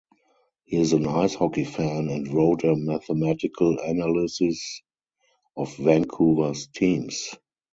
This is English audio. He is an ice hockey fan and wrote a mathematical analysis of Vancouver's teams.